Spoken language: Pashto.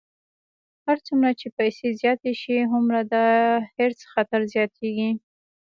هر څومره چې پیسې زیاتې شي، هومره د حرص خطر زیاتېږي.